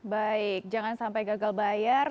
baik jangan sampai gagal bayar